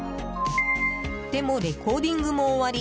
でも、レコーディングも終わり。